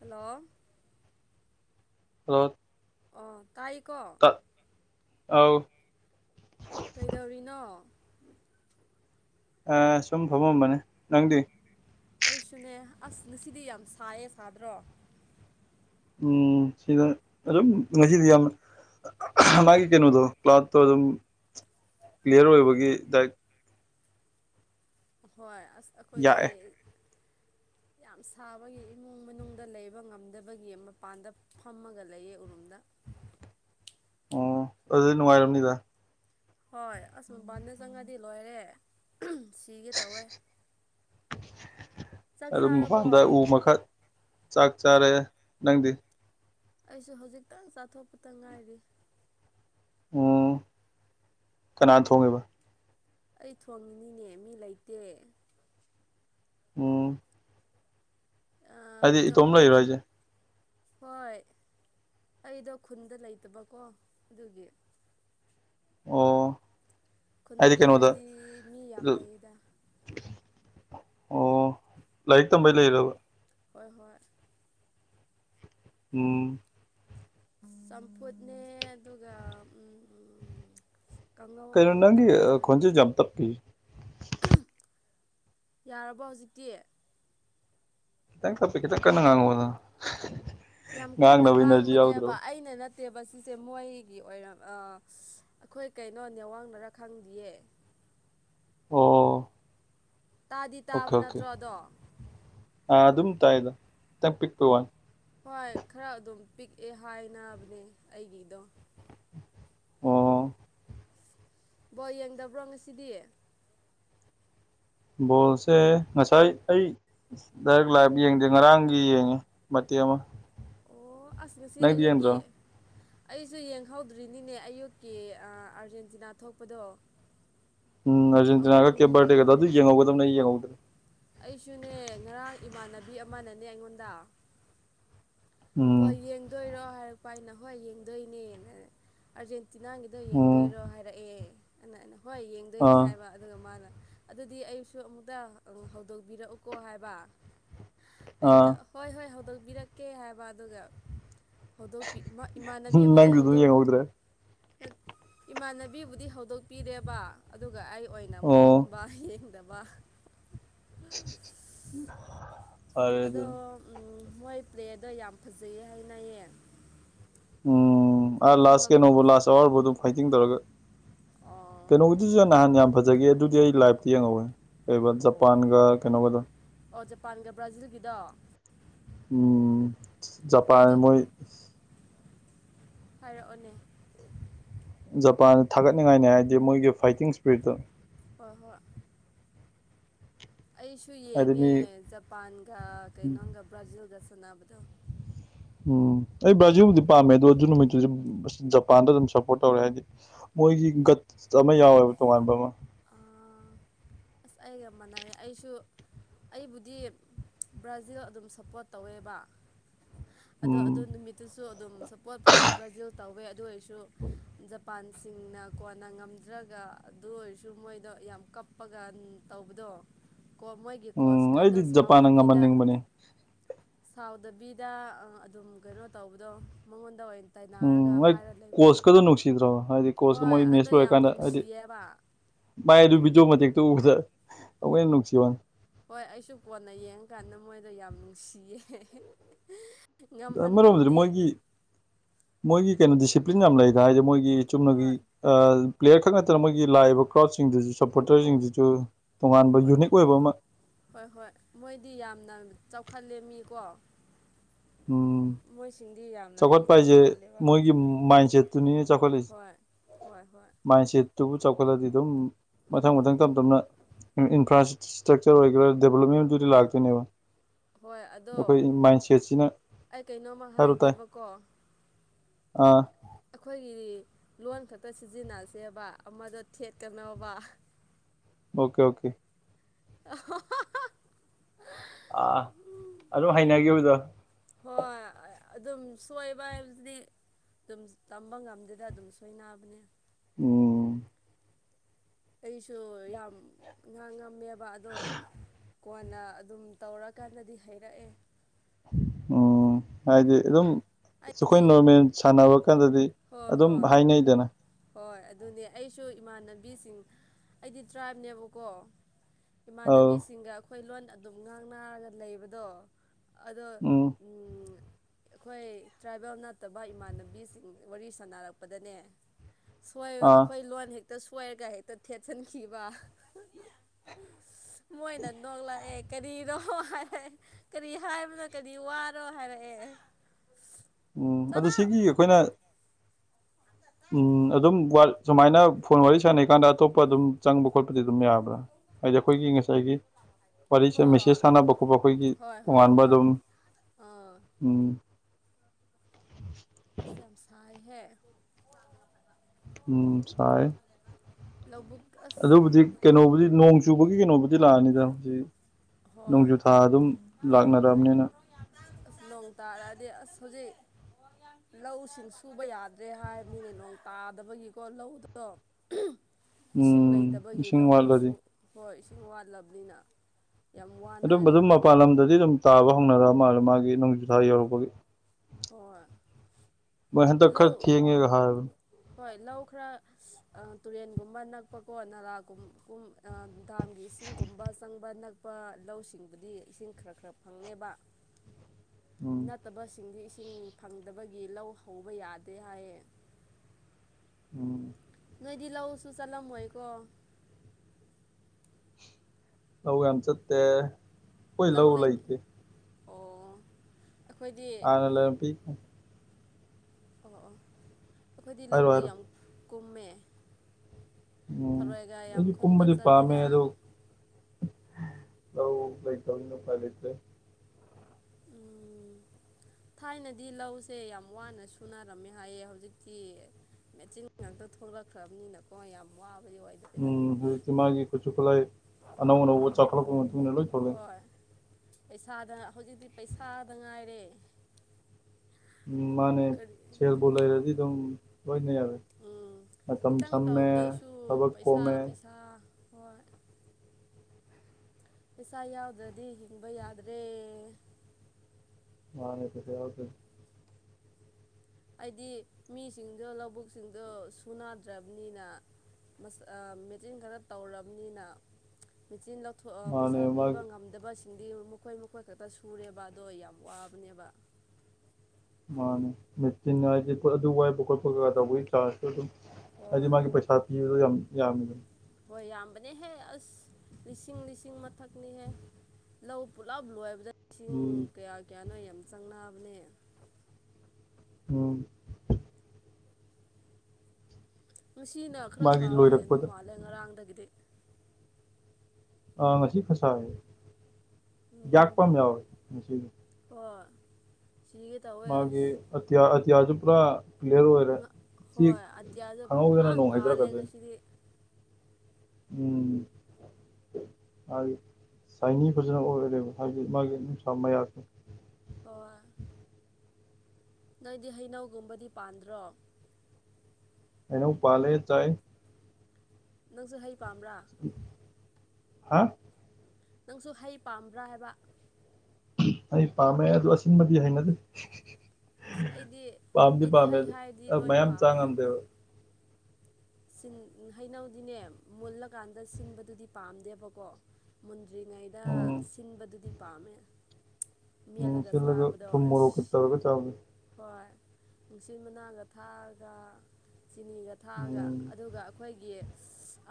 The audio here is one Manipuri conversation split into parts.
ꯍꯜꯂꯣ꯫ ꯍꯜꯂꯣ꯫ ꯑꯣ ꯇꯥꯏꯀꯣ꯫ [unintelligible] ꯑꯧ ꯀꯩꯗꯧꯔꯤꯅꯣ꯫ ꯑ ꯁꯨꯝ ꯐꯝꯃꯝꯕꯅꯦ ꯅꯪꯗꯤ꯫ ꯑꯩꯁꯨꯅꯦ ꯑꯁ ꯉꯁꯤꯗꯤ ꯌꯥꯝ ꯁꯥꯏꯌꯦ ꯁꯥꯗ꯭ꯔꯣ꯫ ꯎꯝ ꯁꯤꯗ ꯑꯗꯨꯝ ꯉꯁꯤꯗꯤ ꯌꯥꯝꯅ ꯃꯥꯒꯤ ꯀꯩꯅꯣꯗꯣ ꯀ꯭ꯂꯥꯎꯠꯇꯣ ꯑꯗꯨꯝ ꯀ꯭ꯂꯤꯌꯥꯔ ꯑꯣꯏꯕꯒꯤ ꯗꯥꯏꯔꯦꯛ ꯍꯣꯏ ꯑꯁ ꯑꯩꯈꯣꯏꯗꯤ ꯌꯥꯛꯑꯦ ꯌꯥꯝ ꯁꯥꯕꯒꯤ ꯏꯃꯨꯡ ꯃꯅꯨꯡꯗ ꯂꯩꯕ ꯉꯝꯗꯕꯒꯤ ꯃꯄꯥꯟꯗ ꯐꯝꯃꯒ ꯂꯩꯌꯦ ꯎꯔꯨꯝꯗ꯫ ꯑꯣ ꯑꯗꯨꯗꯤ ꯅꯨꯡꯉꯥꯏꯔꯝꯅꯤꯗ꯫ ꯍꯣꯏ ꯑꯁ ꯃꯄꯥꯟꯗ ꯆꯪꯉꯗꯤ ꯂꯣꯏꯔꯦ ꯁꯤꯒꯦ ꯇꯧꯋꯦ꯫ ꯆꯥꯛ ꯑꯗꯨꯝ ꯆꯥꯔꯕꯣ ꯃꯄꯥꯟꯗ ꯎ ꯃꯈꯛ ꯆꯥꯛ ꯆꯥꯔꯦ ꯅꯪꯗꯤ꯫ ꯑꯩꯁꯨ ꯍꯧꯖꯤꯛꯇꯥ ꯆꯥꯊꯣꯛꯄꯇ ꯉꯥꯏꯔꯤ꯫ ꯑꯣ ꯀꯅꯥ ꯊꯣꯡꯉꯤꯕ꯫ ꯑꯩ ꯊꯣꯡꯉꯤꯅꯤꯅꯦ ꯃꯤ ꯂꯩꯇꯦ꯫ ꯑꯣ꯫ ꯑꯥ ꯍꯥꯏꯗꯤ ꯆꯝ ꯏꯇꯣꯝ ꯂꯩꯔꯤꯔꯣ ꯍꯥꯏꯖꯦ꯫ ꯍꯣꯏ ꯑꯩꯗꯣ ꯈꯨꯟꯗ ꯂꯩꯇꯕꯀꯣ ꯑꯗꯨꯒꯤ꯫ ꯑꯣ꯫ ꯈꯨꯟꯗ ꯍꯥꯏꯗꯤ [unintelligible] ꯀꯩꯅꯣꯗ ꯂꯩꯔꯗꯤ ꯃꯤ ꯌꯥꯝ ꯂꯩꯌꯦꯗ꯫ ꯑꯣ ꯂꯥꯏꯔꯤꯛ ꯇꯝꯕꯩ ꯂꯩꯔꯕ꯫ ꯍꯣꯏ ꯍꯣꯏ꯫ ꯍꯨꯝ ꯆꯝꯐꯨꯠꯅꯦ ꯑꯗꯨꯒ ꯎꯝ ꯀꯥꯡꯉꯧ ꯑꯃꯒ ꯇꯧꯔ ꯆꯥꯏ [unintelligible] ꯇꯞꯄꯦꯍꯦ ꯌꯥꯔꯕꯣ ꯍꯧꯖꯤꯛꯇꯤ ꯈꯤꯇꯡ ꯇꯞꯄꯦ ꯈꯤꯇꯡ ꯀꯟꯅꯥ ꯉꯥꯡꯉꯛ ꯑꯣꯗꯅ ꯌꯥꯝ ꯀꯟꯅ ꯉꯥꯡꯕꯅꯦꯕ ꯑꯩꯅ ꯅꯠ [unintelligible] ꯁꯤꯁꯦ ꯃꯣꯏꯒꯤ ꯑꯣꯏꯔꯝ ꯑ ꯑꯩꯈꯣꯏ ꯀꯩꯅꯣ ꯅꯦꯋꯥꯡꯅꯔ ꯈꯪꯗꯤꯌꯦ ꯑꯣ ꯇꯥꯗꯤ ꯇꯥꯕ ꯅꯠꯇ꯭ꯔꯣ ꯑꯗꯣ ꯑ ꯑꯗꯨꯝ ꯇꯥꯏꯗ ꯈꯤꯇꯪ ꯄꯤꯛꯄ ꯋꯥꯅꯤ ꯍꯣꯏ ꯈꯔ ꯑꯗꯨꯝ ꯄꯤꯛꯑꯦ ꯍꯥꯏꯅꯕꯅꯦ ꯑꯩꯒꯤꯗꯣ ꯑꯣ ꯕꯣꯜ ꯌꯦꯡꯗꯕ꯭ꯔꯣ ꯉꯁꯤꯗꯤ ꯕꯣꯜꯁꯦ ꯉꯁꯥꯏ ꯑꯩ ꯗꯥꯏꯔꯦꯛ ꯂꯥ꯭ꯏꯚ ꯌꯦꯡꯗꯦ ꯉꯔꯥꯡꯒꯤ ꯌꯦꯡꯉꯤ ꯃꯇꯦꯛ ꯑꯃ ꯑꯣ ꯑꯁ ꯉꯁꯤ ꯅꯪꯗꯤ ꯑꯌꯨꯛꯀꯤ ꯌꯦꯡꯗ꯭ꯔꯣ ꯑꯩꯁꯨ ꯌꯦꯡꯍꯧꯗ꯭ꯔꯤꯅꯤꯅꯦ ꯑꯌꯨꯛꯀꯤ ꯑ ꯑꯥꯔꯖꯦꯟꯇꯤꯅꯥ ꯊꯣꯛꯄꯗꯣ ꯎꯝ ꯄꯨꯡ ꯑꯔꯖꯦꯟꯇꯤꯅꯥꯒ ꯑꯍꯨꯝꯒꯤ ꯀꯦꯝꯕꯔꯗꯦꯒꯗꯣ ꯑꯗꯨ ꯌꯦꯡꯍꯧꯒꯗꯕꯅꯦ ꯑꯩ ꯌꯦꯡꯍꯧꯗ꯭ꯔꯦ ꯑꯩꯁꯨꯅꯦ ꯉꯔꯥꯡ ꯏꯃꯥꯟꯅꯕꯤ ꯑꯃꯅꯅꯦ ꯑꯩꯉꯣꯟꯗ ꯎꯝ ꯕꯣꯜ ꯌꯦꯡꯗꯣꯏꯔꯣ ꯍꯥꯏꯔꯛꯄ ꯑꯩꯅ ꯍꯣꯏ ꯌꯦꯡꯗꯣꯏꯅꯦꯅ ꯑꯥꯔꯖꯦꯟꯇꯤꯅꯥꯒꯤ ꯑꯗꯣ ꯎꯝ ꯌꯦꯡꯗꯣꯏꯔꯣ ꯍꯥꯏꯔꯛꯑꯦ ꯑꯩꯅ ꯑꯩꯅ ꯍꯣꯏ ꯌꯦꯡꯗꯣꯏꯅꯤ ꯑꯥ ꯍꯥꯏꯕ ꯑꯗꯨꯒ ꯃꯥꯅ ꯑꯗꯨꯗꯤ ꯑꯩꯁꯨ ꯑꯃꯨꯛꯇ ꯍꯧꯗꯣꯛꯄꯤꯔꯛꯎꯀꯣ ꯍꯥꯏꯕ ꯑꯩꯅ ꯑꯥ ꯍꯣꯏ ꯍꯣꯏ ꯍꯧꯗꯣꯛꯄꯤꯔꯛꯀꯦ ꯍꯥꯏꯕ ꯑꯗꯨꯒ ꯍꯧꯗꯣꯛꯄꯤ ꯏꯃꯥꯟꯅꯕꯤꯕꯨꯗꯤ ꯅꯪꯁꯨ ꯑꯗꯨꯝ ꯍꯧꯗꯣꯛ ꯌꯦꯡꯍꯧꯗ꯭ꯔꯦ ꯏꯃꯥꯟꯅꯕꯤꯕꯨꯗꯤ ꯍꯧꯗꯣꯛꯄꯤꯔꯦꯕ ꯑꯗꯨꯒ ꯑꯩ ꯑꯣꯏꯅ ꯑꯃꯨꯛ ꯑꯣ ꯇꯨꯝꯕ ꯌꯦꯡꯗꯕ [unintelligible] ꯑꯗꯣ ꯎꯝ ꯃꯣꯏ ꯄ꯭ꯂꯦꯗꯣ ꯌꯥꯝ ꯐꯖꯩꯌꯦ ꯍꯥꯏꯅꯩꯌꯦ ꯎꯝ ꯑꯥ ꯂꯥꯁ ꯑꯅꯤꯃꯛ ꯀꯩꯅꯣꯕꯨ ꯂꯥꯁ ꯑꯋꯥꯔꯕꯨ ꯑꯗꯨꯝ ꯐꯥꯏꯇꯤꯡ ꯇꯧꯔꯒ ꯑꯣ ꯑꯗꯨꯁꯨ ꯅꯍꯥꯟ ꯌꯥꯝ ꯐꯖꯒꯤ ꯑꯗꯨꯗꯤ ꯑꯩ ꯂꯥꯏꯞꯇ ꯌꯦꯡꯍꯧꯋꯦ ꯀꯩꯕ ꯑꯣ ꯖꯄꯥꯟꯒ ꯀꯩꯅꯣꯒꯗꯣ ꯑꯣ ꯖꯄꯥꯟꯒ ꯕ꯭ꯔꯥꯖꯤꯜꯒꯤꯗꯣ ꯎꯝ ꯖꯄꯥꯟ ꯑꯗꯨ ꯃꯣꯏ ꯍꯥꯏꯔꯛꯑꯣꯅꯦ ꯖꯄꯥꯟ ꯊꯥꯒꯠꯅꯤꯡꯉꯥꯏꯅꯤ ꯍꯥꯏꯗꯤ ꯃꯣꯏꯒꯤ ꯐꯥꯏꯇꯤꯡ ꯁꯄ꯭ꯔꯤꯠꯇꯣ ꯍꯣ ꯍꯣꯏ ꯑꯩꯁꯨ ꯍꯥꯏꯗꯤ ꯌꯦꯡꯉꯦ ꯃꯤ ꯖꯄꯥꯟꯒ ꯀꯩꯅꯣꯒ ꯕ꯭ꯔꯥꯖꯤꯜꯒ ꯁꯥꯟꯅꯕꯗꯣ ꯎꯝ ꯑꯩ ꯕ꯭ꯔꯖꯤꯕꯨꯗꯤ ꯄꯥꯝꯃꯦ ꯑꯗꯣ ꯑꯗꯨ ꯅꯨꯃꯤꯠꯇꯨꯖꯨ ꯑꯁ ꯖꯞ ꯄꯥꯟꯗꯣ ꯑꯗꯨꯝ ꯁꯞꯄꯣꯔꯠ ꯇꯧꯔꯦ ꯍꯥꯏꯗꯤ ꯃꯣꯏꯒꯤ ꯒꯠ ꯑꯃ ꯌꯥꯎꯋꯦꯕ ꯇꯣꯉꯥꯟꯕ ꯑꯃ ꯑꯥ ꯑꯁ ꯑꯩ ꯌꯥꯝ ꯃꯅꯥꯏꯌꯦ ꯑꯩꯁꯨ ꯑꯩꯕꯨꯗꯤ ꯕ꯭ꯔꯥꯖꯤꯜ ꯑꯗꯨꯝ ꯁꯞꯄꯣꯔꯠ ꯇꯧꯋꯦꯕ ꯑꯗꯣ ꯑꯗꯨ ꯎꯝ ꯅꯨꯃꯤꯠꯇꯨꯁꯨ ꯑꯗꯨꯝ ꯁꯞꯄꯣꯔꯠꯄꯨꯗꯤ ꯕ꯭ꯔꯥꯖꯤꯜ ꯇꯧꯋꯦ ꯑꯗꯨ ꯑꯣꯏꯔꯁꯨ ꯁꯨ ꯖꯄꯥꯟꯁꯤꯡꯅ ꯀꯣꯟꯅ ꯉꯝ ꯗ꯭ꯔꯒ ꯑꯗꯨ ꯑꯣꯏꯔꯁꯨ ꯃꯣꯏꯗꯣ ꯌꯥꯝ ꯀꯞꯄꯒ ꯇꯧꯕꯗꯣ ꯀꯣ ꯃꯣꯏ ꯒꯤ ꯎꯝ ꯀꯣꯁꯀꯗꯣ ꯑꯩꯗꯤ ꯖꯄꯥꯟꯅ ꯁꯥꯎꯗꯕꯤꯗ ꯉꯝꯍꯟꯅꯤꯡꯕꯅꯦ ꯁꯥꯎꯗꯕꯤꯗ ꯑ ꯑꯗꯨꯝ ꯀꯩꯅꯣ ꯇꯧꯕꯗꯣ ꯃꯉꯣꯟꯗ ꯑꯣꯏꯅ ꯎꯝ ꯇꯥꯏꯅꯔꯒ ꯃꯩ ꯍꯥꯏꯔ ꯂꯩꯕꯗꯣ ꯀꯣꯆꯀꯗꯣ ꯅꯨꯡꯁꯤꯗ꯭ꯔꯣ ꯍꯥꯏꯗꯤ ꯀꯣꯆꯀ ꯍꯣꯏ ꯃꯣꯏ ꯑꯗꯣ ꯃꯦꯁ ꯌꯥꯝ ꯂꯣꯏꯔꯀꯥꯟꯗ ꯍꯥꯏꯗꯤ ꯅꯨꯡꯁꯤꯌꯦꯕ ꯃꯥꯏ ꯑꯗꯨ ꯕꯤꯗꯤꯑꯣ ꯃꯇꯦꯛꯇꯨ ꯎꯕꯗ ꯑꯃꯨꯛ ꯍꯦꯟꯅ ꯅꯨꯡꯁꯤꯕ ꯋꯥꯅꯦ꯫ ꯍꯣꯏ ꯑꯩꯁꯨ ꯀꯣꯟꯅ ꯌꯦꯡꯉꯀꯥꯟꯗ ꯃꯣꯏꯗ ꯌꯥꯝ ꯅꯨꯡꯁꯤꯌꯦ [unintelligible] ꯑꯃꯔꯣꯝꯗꯗꯤ ꯉꯝꯍꯟꯕꯕꯨꯗꯤ ꯃꯣꯏꯒꯤ ꯃꯣꯏꯒꯤ ꯀꯩꯅꯣ ꯗꯤꯁꯤꯄ꯭ꯂꯤꯟ ꯌꯥꯝ ꯂꯩꯗ ꯍꯥꯏꯗꯤ ꯃꯣꯏꯒꯤ ꯆꯨꯝꯅꯒꯤ ꯍꯣꯏ ꯑ ꯄ꯭ꯂꯦꯌꯔ ꯈꯛ ꯅꯠꯇꯅ ꯃꯣꯏꯒꯤ ꯂꯥꯛꯏꯕ ꯀ꯭ꯔꯥꯎꯠꯁꯤꯡꯗꯨꯁꯨ ꯁꯄꯣꯔꯇꯔꯁꯤꯡꯗꯨꯁꯨ ꯇꯣꯉꯥꯟꯕ ꯌꯨꯅꯤꯛ ꯑꯣꯏꯕ ꯑꯃ ꯍꯣꯏ-ꯍꯣꯏ ꯃꯣꯏꯗꯤ ꯌꯥꯝꯅ ꯆꯥꯎꯈꯠꯂꯦ ꯃꯤꯀꯣ꯫ ꯎꯝ ꯃꯣꯏꯁꯤꯡꯗꯤ ꯌꯥꯝ ꯆꯥꯎꯈꯠꯄ ꯍꯥꯏꯁꯦ ꯃꯣꯏꯒꯤ ꯃꯥꯏꯟꯁꯦꯠꯇꯨꯅꯤꯅꯦ ꯆꯥꯎꯈꯠꯂꯛꯁꯦ ꯍꯣꯏ ꯍꯣꯏ ꯍꯣꯏ ꯃꯥꯏꯟꯁꯦꯠ ꯇꯨꯕꯨ ꯆꯥꯎꯈꯠꯂꯗꯤ ꯑꯗꯨꯝ ꯎꯝ ꯃꯊꯪ-ꯃꯊꯪ ꯇꯞ ꯇꯞꯅ ꯏꯟꯐ꯭ꯔꯥꯁ ꯁꯇ꯭ꯔꯛꯆꯔ ꯑꫭꯏꯒꯦꯔ ꯗꯦꯕꯂꯞꯃꯦꯟꯗꯨꯗꯤ ꯂꯥꯛꯇꫭꯏꯅꯦꯕ꯫ ꯍꯣꯏ ꯑꯗꯣ ꯑꯩ ꯀꯩꯅꯣꯃ ꯍꯥꯏꯔꯣ ꯇꯥꯏ ꯍꯥꯏꯒꯦꯕꯀꯣ꯫ ꯑꯥ꯫ ꯑꯈꯣꯏꯒꯤ ꯂꯣꯟ ꯈꯛꯇ ꯁꯤꯖꯤꯟꯅꯁꯦꯕ ꯑꯃꯗꯣ ꯊꯦꯠꯀꯅꫭꯕꯥ [unintelligible] ꯑꯣꯀꯦ ꯑꯣꯀꯦ꯫ [unintelligible] ꯑꯥ ꯑꯗꯨꯝ ꯍꯩꯅꯈꯤꯕꯗꯣ꯫ ꯍꯣꯏ ꯑꯗꯨꯝ ꯁꯣꯏꯕ ꯍꯥꯏꯕꯁꯤꯗꯤ ꯗꯨꯝ ꯇꯝꯕ ꯉꯝꯗꯦꯗ ꯑꯗꯨꯝ ꯁꯣꯏꯅꯕꯅꯦ꯫ ꯑꯣ ꯑꯩꯁꯨ ꯌꯥꯝ ꯉꯥꯡꯉꯝꯃꯦꯕ ꯑꯗꯣ ꯀꯣꯟꯅ ꯑꯗꯨꯝ ꯇꯧꯔꯀꯥꯟꯗꯗꯤ ꯍꯩꯔꯛꯑꯦ꯫ ꯎꯝ ꯍꯥꯏꯗꯤ ꯑꯗꯨꯝ ꯑꯩꯈꯣꯏ ꯑꯩꯗꯤ ꯅꯣꯔꯃꯦꯜ ꯁꯥꯟꯅꯕ ꯀꯥꯟꯗꯗꯤ ꯍꯣꯏ ꯑꯗꯨꯝ ꯍꯣꯏ ꯍꯥꯏꯅꯩꯗꯅ ꯍꯣꯏ ꯑꯗꯨꯅꯦ ꯑꯩꯁꯨ ꯏꯃꯥꯟꯅꯕꯤꯁꯤꯡ ꯑꯩꯗꯤ ꯇ꯭ꯔꯥꯏꯕꯅꯦꯕꯀꯣ꯫ ꯑꯧ ꯏꯃꯥꯟꯅꯕꯤꯁꯤꯡꯒ ꯑꯩꯈꯣꯏ ꯂꯣꯟ ꯑꯗꯨꯝ ꯉꯥꯡꯅꯔꯒ ꯂꯩꯕꯗꯣ ꯑꯗꯣ ꯎꯝ ꯑꯈꯣꯏ ꯇ꯭ꯔꯥꯏꯕꯦꯜ ꯅꯠꯇꯕ ꯏꯃꯥꯟꯅꯕꯤꯁꯤꯡ ꯋꯥꯔꯤ ꯁꯥꯟꯅꯔꯛꯄꯗꯅꯦ ꯁꯣꯏ ꯑꯥ ꯑꯩꯈꯣꯏ ꯂꯣꯟ ꯍꯦꯛ ꯇ ꯁꫭꯏꯔꯒ ꯍꯦꯛꯇ ꯊꯦꯠꯆꯟꯈꯤꯕ [unintelligible] ꯃꯣꯏꯅ ꯅꫭꯛꯂꯛꯑꯦ꯫ ꯀꯔꯤꯅꯣ [unintelligible] ꯍꯥꯏꯔꯛꯑꯦ ꯀꯔꯤ ꯍꯥꯏꯕꯅꯣ ꯀꯔꯤ ꯋꯥꯔꯣ ꯍꯥꯏꯔꯛꯑꯦ [unintelligible] ꯎꯝ ꯑꯗꫭ ꯆꯠꯂꯣ ꯁꯤꯒꯤ ꯑꯈꯣꯏꯅ [unintelligible] ꯎꯝ ꯑꯗꯨꯝ ꯋꯥꯜ ꯁꯨꯃꯥꯏꯅ ꯐꯣꯟ ꯋꯥꯔꯤ ꯁꯥꯟꯅꯩꯀꯥꯟꯗ ꯑꯇꯣꯞꯄ ꯑꯗꯨꯝ ꯆꯪꯕ ꯈꯣꯠꯄꯗꯤ ꯑꯗꯨꯝ ꯌꯥꯕ꯭ꯔꯥ꯫ ꯍꯥꯏꯗꯤ ꯑꯩꯈꯣꯏꯒꯤ ꯉꯁꯥꯏꯒꯤ ꯋꯥꯔꯤꯁꯦ ꯍꯣꯏ ꯃꯦꯁꯦꯖ ꯊꯥꯅꯕ ꯈꯣꯠꯄ ꯑꯩꯈꯣꯏꯒꯤ ꯍꯣꯏ ꯍꯣꯏ ꯇꯣꯉꯥꯟꯕ ꯍꯣꯏ ꯑꯗꯨꯝ ꯑꯥ ꯎꯝ ꯑꯁ ꯌꯥꯝ ꯁꯥꯏꯍꯦ [inaudible] ꯎꯝ ꯁꯥꯑꯦ꯫ [inaudible] ꯂꯧꯕꯨꯛ ꯑꯁ ꯑꯗꯨꯕꯨꯗꯤ ꯀꯩꯅꯣꯕꯨꯗꯤ ꯅꯣꯡ ꯆꯨꯕꯒꯤ ꯀꯩꯅꯣꯕꯨ ꯍꯧꯖꯤꯛ ꯂꯥꯛꯑꯅꯤꯗ ꯍꯧꯖꯤꯛ ꯍꯣꯏ ꯅꯣꯡꯖꯨꯊꯥ ꯑꯗꯨꯝ ꯂꯥꯛꯅꯔꯕꯅꯤꯅ꯫ [inaudible] ꯑꯁ ꯅꯣꯡ ꯇꯥꯔꯛꯑꯗꯤ ꯑꯁ ꯍꯧꯖꯤꯛ꯫ ꯂꯧꯁꯤꯡ ꯁꯨꯕ ꯌꯥꯗ꯭ꯔꯦ ꯍꯥꯏ ꯃꯤꯒꯤ ꯅꯣꯡ ꯇꯥꯗꯕꯒꯤꯀꯣ ꯂꯧꯗꯨꯗꯣ [unintelligible] ꯏꯁꯤꯡ ꯂꯩꯇꯕꯒꯤ ꯏꯁꯤꯡ ꯂꯧꯗꯨꯁꯨ ꯋꯥꯠꯂꯗꯤ ꯍꯣꯏ ꯏꯁꯤꯡ ꯋꯥꯠꯂꯕꯅꯤꯅ ꯌꯥꯝ ꯑꯗꯨꯝ ꯋꯥꯅꯔꯦ ꯑꯗꯨꯝ ꯑꯩꯈꯣꯏꯗꯤ ꯃꯄꯥꯟ ꯂꯝꯗꯗꯤ ꯑꯗꯨꯝ ꯇꯥꯕ ꯍꯧꯅꯔ ꯃꯥ ꯃꯥꯒꯤ ꯅꯣꯡꯖꯨꯊꯥ ꯌꯧꯔꯛꯄꯒꯤ ꯍꯣꯏ ꯍꯣꯏ ꯍꯟꯇꯛ ꯂꯧ ꯈꯔ ꯊꯦꯡꯉꯦꯅ ꯍꯥꯏ ꯍꯣꯏ ꯂꯧ ꯈꯔ ꯇꯨꯔꯦꯟꯒꯨꯝꯕ ꯅꯛꯄꯀꯣ ꯅꯂꯥꯒꯨꯝꯨꯝ ꯑ ꯗꯥꯝꯒꯤ ꯏꯁꯤꯡꯒꯨꯝꯕ ꯆꯪꯕ ꯅꯛ ꯑꯅꯛꯄ ꯂꯧꯁꯤꯡꯗꯨꯗꯤ ꯏꯁꯤꯡ ꯈꯔ ꯈꯔ ꯐꯪꯉꯦꯕ ꯎꯝ ꯅꯠ ꯐꯠꯇꯕꯁꯤꯡꯗꯤ ꯏꯁꯤꯡ ꯐꯪꯗꯕꯒꯤ ꯂꯧ ꯍꯧꯕ ꯌꯥꯗꯦ ꯍꯥꯏꯌꯦ ꯎꯝ ꯅꯣꯏꯗꯤ ꯂꯧ ꯁꯨ ꯆꯠꯂꯝꯃꯣꯏꯀꯣ ꯑꯧ ꯌꯥꯝ ꯆꯠꯇꯦ ꯂꯧ ꯂꯩ ꯑꯣ ꯑꯩꯈꯣꯏꯗꯤ ꯍꯥꯟꯅ ꯂꯩꯔꯝ ꯑꯣ ꯑꯣ ꯑꯩꯈꯣꯏꯗꯤ ꯍꯥꯏꯔꯣ ꯂꯧꯕꯨ ꯍꯥꯏꯔꯣ ꯌꯥꯝ ꯀꯨꯝꯃꯦ ꯎꯝ ꯊꯔꯣꯏꯒ ꯌꯥꯝ ꯑꯩꯁꯨ ꯈꯨꯟꯕ ꯀꯨꯝꯃꯗꯤ ꯄꯥꯝꯃꯦ ꯆꯠꯂꯤꯗ ꯑ ꯑꯗꯨꯣ ꯂꯧ ꯂꯩꯇꯝꯅꯤꯅ ꯎꯄꯥꯏ ꯂꯩꯇꯦ ꯎꯝ ꯊꯥꯏꯅꯗꯤ ꯂꯧꯁꯦ ꯌꯥꯝ ꯋꯥꯅ ꯁꯨꯅꯔꯝꯃꯦ ꯍꯥꯏꯌꯦ ꯍꯧꯖꯤꯛꯇꯤ ꯃꯦꯆꯤꯟ ꯉꯥꯛꯇ ꯊꯣꯂꯛꯈ꯭ꯔꯕꯅꯤꯅꯀꯣ ꯌꯥꯝ ꯋꯥꯕꯗꯤ ꯑꯣꯏ ꯎꯝ ꯍꯧꯖꯤꯛꯇꯤ ꯃꯥꯒꯤ ꯈꯨꯠꯁꯨ ꯈꯨꯠꯂꯥꯏ ꯑꯅꯧ ꯑꯅꯧꯕ ꯍꯣꯏ ꯆꯥꯎꯈꯠꯂꯛꯄꯒꯤ ꯃꯇꯨꯡ ꯏꯟꯅ ꯂꯣꯏ ꯊꯣꯛꯂꯛꯏ ꯍꯣꯏ ꯄꯩꯁꯥꯗ ꯍꯧꯖꯤꯛꯇꯤ ꯄꯩꯁꯥꯗ ꯉꯥꯏꯔꯦ ꯎꯝ ꯃꯥꯅꯦ ꯀꯔꯤ ꯁꯦꯜꯕꯨ ꯂꯩꯔꯗꯤ ꯑꯗꯨꯝ ꯂꯣꯏꯅ ꯌꯥꯔꯦ ꯎꯝ ꯃꯇꯝ ꯈꯤꯇꯪ ꯁꯝꯃꯦ ꯇꯧꯕꯗꯁꯨ ꯊꯕꯛ ꯄꯩꯁꯥ ꯀꯣꯝꯃꯦ ꯄꯩꯁꯥ ꯍꯣꯏ ꯄꯩꯁꯥ ꯌꯥꯎꯗ꯭ꯔꯗꯤ ꯍꯤꯡꯕ ꯌꯥꯗ꯭ꯔꯦ ꯃꯥꯅꯦ ꯄꯩꯁꯥ ꯌꯥꯎꯗ꯭ꯔꯗꯤ ꯍꯥꯏꯗꯤ ꯃꯤꯁꯤꯡꯗꯣ ꯂꯧꯕꯨꯛꯁꯤꯡꯗꯣ ꯁꯨꯅꯗ꯭ꯔꯕꯅꯤꯅ ꯑ ꯃꯦꯆꯤꯟ ꯈꯔ ꯇꯧꯔꯕꯅꯤꯅ ꯃꯦꯆꯤꯟ ꯂꯧ ꯃꯥꯅꯦ ꯄꯩꯁꯥ ꯄꯤꯕ ꯃꯥꯒꯤ ꯉꯝꯗꯕꯁꯤꯡꯗꯤ ꯃꯈꯣꯏ ꯃꯈꯣꯏ ꯈꯛꯇ ꯁꯨꯔꯦꯕ ꯑꯗꯣ ꯌꯥꯝ ꯋꯥꯕꯅꯦꯕ ꯃꯥꯅꯦ ꯃꯦꯆꯤꯟ ꯍꯥꯏꯗꯤ ꯄꯣꯠ ꯑꯗꯨ ꯋꯥꯏꯕ ꯈꯣꯠꯄ ꯀꯩꯀꯥ ꯇꯧꯕꯋꯤ ꯆꯥꯔꯖꯇꯣ ꯑꯗꯨꯝ ꯍꯥꯏꯗꯤ ꯍꯣꯏ ꯃꯥꯒꯤ ꯄꯩꯁꯥ ꯄꯤꯗ ꯌꯥꯝ ꯌꯥꯝ ꯍꯣꯏ ꯌꯥꯝꯕꯅꯦꯍꯦ ꯑꯁ ꯂꯤꯁꯤꯡ ꯂꯤꯁꯤꯡ ꯃꯊꯛꯅꯤꯍꯦ ꯂꯧ ꯄꯨꯂꯞ ꯂꯣꯏꯕꯗ ꯎꯝ ꯂꯤꯁꯤꯡ ꯀꯌꯥ ꯀꯌꯥꯅꯣ ꯌꯥꯝ ꯆꯪꯅꯕꯅꯦ ꯎꯝ ꯉꯁꯤꯅ ꯈꯔ ꯃꯥꯒꯤ ꯁꯥꯕ ꯍꯦꯟꯕ ꯂꯣꯏꯔꯛꯄꯗ ꯃꯥꯜꯂꯦ ꯉꯔꯥꯡꯗꯒꯤꯗꯤ ꯑꯥ ꯉꯁꯤ ꯈꯔ ꯁꯥꯏ ꯎꯝ ꯌꯥꯥꯛꯄꯝ ꯌꯥꯎꯋꯦ ꯉꯁꯤꯗꯤ ꯍꯣꯏ ꯁꯤꯒꯦ ꯇꯧꯋꯦ ꯃꯥꯒꯤ ꯑꯁ ꯑꯇꯤꯌꯥ ꯑꯇꯤꯌꯥꯁꯨ ꯄꯨꯔꯥ ꯀ꯭ꯂꯤꯌꯥꯔ ꯑꯣꯏꯔꯦ ꯉ ꯁꯤ ꯍꯣꯏ ꯑꯇꯤꯌꯥꯁꯦ ꯄꯨꯔꯥ ꯈꯪꯍꯧꯗꯅ ꯅꯣꯡ ꯉꯥꯜꯂꯦ ꯍꯩꯊꯔꯛꯀꯅꯤ ꯉꯁꯤꯗꯤ ꯎꯝ ꯃꯥꯗꯤ ꯆꯥꯏꯅꯤ ꯐꯖꯅ ꯑꯣꯏꯔꯅꯦꯦꯕ ꯍꯥꯏꯕꯗꯤ ꯃꯥꯒꯤ ꯅꯨꯡꯁꯥ ꯃꯌꯥꯁꯦ ꯍꯣꯏ ꯅꯣꯏꯗꯤ ꯍꯩꯅꯧꯒꯨꯝꯕꯗꯤ ꯄꯥꯟꯗ꯭ꯔꯣ ꯍꯩꯅꯧ ꯄꯥꯜꯂꯦ ꯆꯥꯏ ꯅꯪꯁꯨ ꯍꯩ ꯄꯥꯝꯕ꯭ꯔꯥ ꯍꯥ ꯅꯪꯁꯨ ꯍꯩ ꯄꯥꯝꯕ꯭ꯔꯥ ꯍꯥꯏꯕ ꯍꯩ ꯄꯥꯝꯃꯦ ꯑꯗꯣ ꯑꯁꯤꯟꯕꯗꯤ ꯍꯩꯅꯗꯦ ꯏꯁ ꯑꯩꯗꯤ ꯄꯥꯝꯗꯤ ꯑꯩꯗꯤ ꯄꯥꯝꯃꯦ ꯍꯩ ꯑꯗꯨ ꯍꯥꯏꯔꯗꯤ ꯑ ꯂꯣꯏ ꯃꯌꯥꯝ ꯆꯥꯡ ꯄꯥꯝꯃꯤꯗ ꯉꯝꯗꯦꯕ ꯁꯤꯟ ꯍꯩꯅꯧꯗꯤꯅꯦ ꯃꯨꯜꯂꯀꯥꯟꯗ ꯁꯤꯟꯕꯗꯨꯗꯤ ꯄꯥꯝꯗꯦꯕꯀꯣ ꯃꯨꯟꯗ꯭ꯔꯤꯉꯩꯗ ꯎꯝ ꯁꯤꯟꯕꯗꯨꯗꯤ ꯄꯥꯝꯃꯦ ꯎꯝ ꯃꯦꯜꯂꯒ ꯁꯤꯜꯂꯒ ꯆꯥꯕꯗꯣ ꯊꯨꯝ ꯑꯁ ꯃꯣꯔꯣꯛꯀ ꯇꯧꯔꯒ ꯆꯥꯕꯗꯣ ꯍꯣꯏ ꯅꯨꯡꯆꯤꯠ ꯃꯅꯥꯒ ꯊꯥꯛꯑꯒ ꯆꯤꯅꯤꯒ ꯊꯥꯛꯑꯒ ꯎꯝ ꯑꯗꯨꯒ ꯈꯣꯏꯒꯤ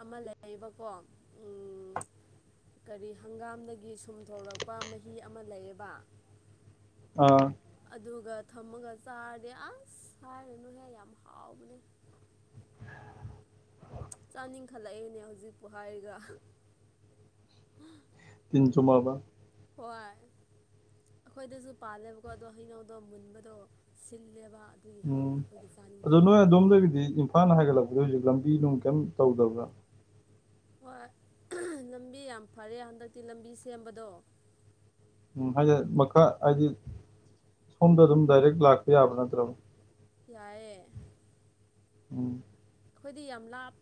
ꯑꯃ ꯂꯩꯔꯤꯕꯀꯣ ꯎꯝ ꯀꯔꯤ ꯍꯪꯒꯥꯝꯗꯒꯤ ꯁꯨꯝ ꯊꯣꯛꯣꯔꯛꯄ ꯃꯍꯤ ꯑꯃ ꯂꯩꯌꯦꯕ ꯑꯥ ꯑꯗꯨꯒ ꯊꯝꯃꯒ ꯆꯥꯔꯗꯤ ꯑꯁ ꯍꯥꯏꯔꯅꯦꯍꯦ ꯌꯥꯝ ꯍꯥꯎꯕꯅꯦ ꯆꯥꯅꯤꯡꯈꯠꯂꯛꯑꯦꯅꯦ ꯍꯧꯖꯤꯛꯄꯨ ꯍꯥꯏꯔꯒ ꯇꯤꯟ ꯆꯨꯝꯃꯕꯥ ꯍꯣꯏ ꯑꯈꯣꯏꯗꯖꯨ ꯄꯥꯜꯂꯦꯕꯀꯣ ꯑꯗꯣ ꯍꯩꯅꯧꯗꯣ ꯃꯨꯟꯕꯗꯣ ꯁꯤꯜꯂꯦꯕ ꯑꯗꯨꯒꯤ ꯎꯝ ꯍꯥꯎꯇꯕꯒꯤ ꯑꯗꯣ ꯆꯥꯅꯤꯡꯗꯕ ꯅꯣꯏ ꯑꯗꯣꯝꯗꯒꯤꯗꯤ ꯏꯝꯐꯥꯜ ꯍꯥꯏꯒꯠꯂꯛꯄꯗ ꯍꯧꯖꯤꯛ ꯂꯝꯕꯤ ꯅꯨꯡ ꯀꯩꯝ ꯇꯧꯗꯕ꯭ꯔꯥ ꯍꯣꯏ ꯂꯝꯕꯤ ꯌꯥꯝ ꯐꯔꯦ ꯍꯟꯗꯛꯇꯤ ꯂꯝꯕꯤ ꯁꯦꯝꯕꯗꯣ ꯎꯝ ꯍꯥꯏꯗꯤ ꯃꯈꯥ ꯍꯥꯏꯗꯤ ꯁꯣꯝꯗ ꯑꯗꯨꯝ ꯗꯥꯏꯔꯦꯛ ꯂꯥꯛꯄ ꯌꯥꯕ ꯅꯠꯇ꯭ꯔꯕ ꯌꯥꯏꯌꯦ ꯎꯝ ꯑꯈꯣꯏꯗꯤ ꯌꯥꯝ ꯂꯥꯞ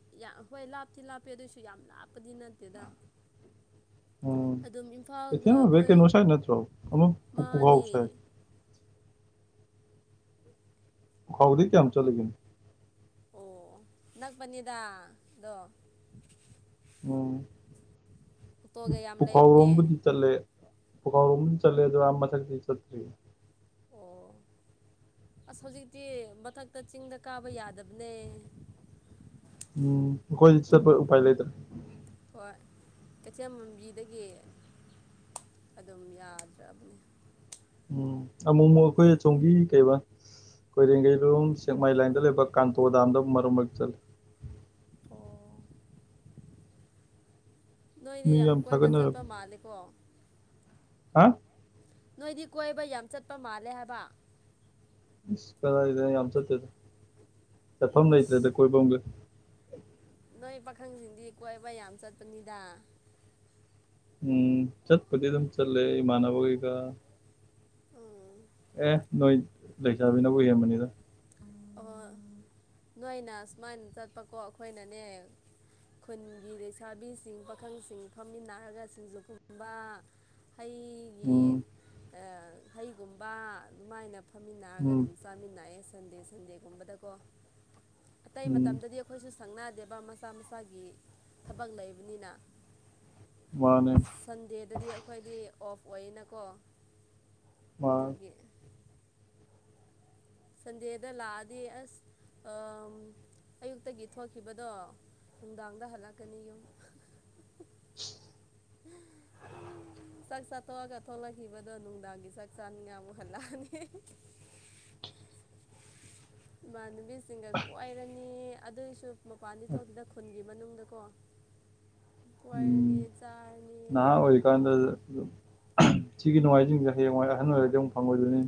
ꯍꯣꯏ ꯂꯥꯞꯇꯤ ꯂꯥꯞꯄꯦ ꯑꯗꯨꯏꯁꯨ ꯌꯥꯝ ꯂꯥꯞꯄꯗꯤ ꯅꯠꯇꯦꯗ ꯎꯝ ꯑꯗꯨꯝ ꯏꯝꯐꯥꯜꯒ ꯀꯩꯊꯦꯜ ꯑꯣꯏꯕ ꯑꯩꯈꯣꯏ ꯀꯩꯅꯣ ꯁꯥꯏꯠ ꯅꯠꯇ꯭ꯔꯣ ꯑꯃ ꯄꯨ ꯄꯨꯈꯥꯎ ꯃꯥꯅꯦ ꯁꯥꯏꯠ ꯈꯥꯎꯗꯒꯤ ꯀ꯭ꯌꯥꯝ ꯆꯠꯂꯤꯒꯦ ꯑꯣ ꯅꯛꯕꯅꯤꯗ ꯗꯣ ꯎꯝ ꯑꯣꯇꯣꯒ ꯌꯥꯝ ꯂꯩꯕꯅꯦ ꯄꯨꯈꯥꯎꯔꯣꯝꯕꯨꯗꯤ ꯆꯠꯂꯦ ꯄꯨꯈꯥꯎꯔꯣꯝꯗꯤ ꯆꯠꯂꯦ ꯑꯗꯣ ꯑꯥ ꯃꯊꯛꯇꯤ ꯆꯠꯇ꯭ꯔꯤ ꯑꯣ ꯑꯁ ꯍꯧꯖꯤꯛꯇꯤ ꯃꯊꯛꯇ ꯆꯤꯡꯗ ꯀꯥꯕ ꯌꯥꯗ꯭ꯕꯅꯦ꯫ ꯎꯝ ꯑꯈꯣꯏ ꯆꯠꯄ ꯎꯄꯥꯏ ꯂꯩꯥꯇ꯭ꯔꯦ ꯍꯣꯏ ꯀꯩꯊꯦꯜꯃꯥꯟꯕꯤꯗꯒꯤ ꯑꯗꯨꯝ ꯌꯥꯗ꯭ꯔꯥꯕꯅꯦ꯫ ꯎꯝ ꯑꯃꯨꯛ ꯑꯃꯨꯛ ꯑꯈꯣꯏ ꯑꯁꯣꯝꯒꯤ ꯀꯩꯕꯥ ꯀꯣꯏꯔꯦꯡꯒꯩꯔꯨꯝ ꯁꯦꯛꯃꯥꯏ ꯂꯥꯏꯟꯗ ꯂꯩꯕ ꯀꯥꯟꯇꯣ ꯗꯥꯝꯗ ꯃꯔꯛ ꯃꯔꯛ ꯆꯠꯂꯦ꯫ ꯑꯣ ꯅꯣꯏꯗꯤ ꯃꯤ ꯌꯥꯝ ꯀꯣꯏꯕ ꯊꯥꯒꯠꯅꯔꯕ ꯆꯠꯄ ꯃꯥꯜꯂꯦꯀꯣ ꯍꯥ ꯅꯣꯏꯗꯤ ꯀꯣꯏꯕ ꯌꯥꯝ ꯆꯠꯄ ꯃꯥꯜꯂꯦ ꯍꯥꯏꯕ ꯏ꯭ꯁ ꯀꯗꯥꯏꯗ ꯌꯥꯝ ꯆꯠꯇꯦꯗ ꯆꯠꯐꯝ ꯂꯩꯇ꯭ꯔꯦꯗ ꯏꯁ ꯀꯣꯏꯕꯝꯒ꯫ ꯅꯣꯏ ꯄꯥꯈꯪꯁꯤꯡꯗꯤ ꯀꯣꯏꯕ ꯌꯥꯝ ꯆꯠꯄꯅꯤꯗ꯫ ꯎꯝ ꯆꯠꯄꯨꯗꯤ ꯑꯗꯨꯝ ꯆꯠꯂꯦ ꯏꯃꯥꯟꯅꯕ ꯒꯩꯒ꯫ ꯑꯦ ꯅꯣꯏ ꯂꯩꯁꯥꯕꯤꯅꯕꯨ ꯍꯦꯟꯕꯅꯤꯗ꯫ ꯑꯣ ꯅꯣꯏꯅ ꯁꯨꯃꯥꯏꯟ ꯆꯠꯄꯀꯣ ꯑꯈꯣꯏꯅꯅꯦ ꯈꯨꯟꯒꯤ ꯂꯩꯁꯥꯕꯤꯁꯤꯡ ꯄꯥꯈꯪꯁꯤꯡ ꯐꯝꯃꯤꯟꯅꯔꯒ ꯁꯤꯡꯖꯨꯒꯨꯝꯕ ꯍꯩꯒꯤ ꯎꯝ ꯑ ꯍꯩꯒꯨꯝꯕ ꯑꯗꯨꯃꯥꯏꯅ ꯐꯝꯃꯤꯟꯅꯔꯒ ꯎꯝ ꯑꯗꯨꯝ ꯆꯥ ꯆꯥꯃꯤꯟꯅꯌꯦ ꯁꯟꯗꯦ ꯁꯟꯗꯦꯒꯨꯝꯕꯗꯀꯣ ꯑꯇꯩ ꯎꯝ ꯃꯇꯝꯗꯗꯤ ꯈꯣꯏꯁꯨ ꯁꯪꯅꯥꯗꯦꯕ ꯃꯁꯥ ꯃꯁꯥꯒꯤ ꯊꯕꯛ ꯂꯩꯕꯅꯤꯅ ꯃꯥꯅꯦ ꯁꯟꯗꯦꯗꯨꯗꯤ ꯑꯩꯈꯣꯏꯗꯤ ꯑꯣꯐ ꯑꯣꯏꯌꯦꯅꯀꯣ꯫ ꯃꯥ ꯗꯨꯒꯤ ꯁꯟꯗꯦꯗ ꯂꯥꯛꯑꯗꯤ ꯑꯁ ꯑꯥꯝ ꯑꯌꯨꯛꯇꯒꯤ ꯊꯣꯛꯈꯤꯕꯗꯣ ꯅꯨꯡꯗꯥꯡꯗ ꯍꯜꯂꯛꯀꯅꯤ ꯌꯨꯝ ꯫ ꯎ ꯎꯝ ꯆꯥꯛ ꯆꯥꯊꯣꯛꯑꯒ ꯊꯣꯛꯂꯛꯈꯤꯕꯗꯣ ꯅꯨꯡꯗꯥꯡꯒꯤ ꯆꯥꯛ ꯆꯥꯅꯤꯉꯥꯏ ꯑꯃꯨꯛ ꯍꯜꯂꯛꯑꯅꯤ ꯏꯃꯥꯟꯅꯕꯤꯁꯤꯡꯒ ꯀꯣꯏꯔꯅꯤ ꯑꯗꯨꯏꯁꯨ ꯃꯄꯥꯟꯗꯤ ꯊꯣꯛꯇꯦꯗ ꯈꯨꯟꯒꯤ ꯃꯅꯨꯡꯗꯀꯣ꯫ ꯎꯝ ꯀꯣꯏꯔꯅꯤ ꯆꯥꯔꯅꯤ ꯅꯍꯥ ꯑꯣꯏꯔꯤ ꯀꯥꯟꯗ ꯑꯗꯨꯝ ꯁꯤꯒꯤ ꯅꯨꯡꯉꯥꯏꯔꯤꯁꯤꯡꯁꯦ ꯍꯌꯦꯡꯌꯥꯏ ꯑꯍꯟ ꯑꯣꯏꯔꯗꯤ ꯑꯃꯨꯛ ꯐꯪꯉꯣꯏꯗꯣꯏꯅꯤ꯫